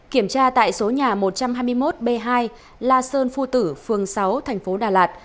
kiểm tra tại số nhà một trăm hai mươi một b hai la sơn phu tử phường sáu thành phố đà lạt